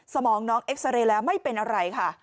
สมองน้องเอ็กซาเรย์แล้วไม่เป็นอะไรค่ะ